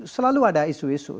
selalu ada isu isu